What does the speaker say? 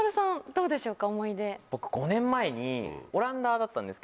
どうでしょうか？